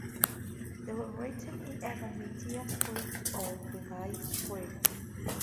They were written in either Meitei script or Bengali script.